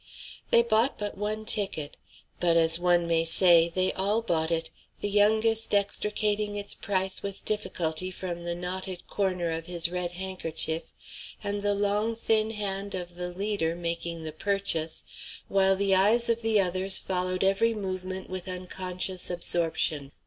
They bought but one ticket; but, as one may say, they all bought it, the youngest extricating its price with difficulty from the knotted corner of his red handkerchief, and the long, thin hand of the leader making the purchase, while the eyes of the others followed every movement with unconscious absorption.